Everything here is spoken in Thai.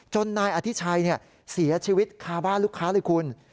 นายอธิชัยเสียชีวิตคาบ้านลูกค้าเลยคุณ